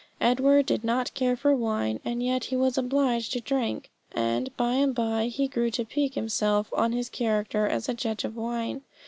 Edward did not care for wine, and yet he was obliged to drink and by and by he grew to pique himself on his character as a judge of wine.